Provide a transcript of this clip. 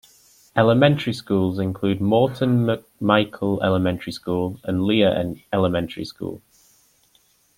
Elementary schools include Morton McMichael Elementary School and Lea Elementary School.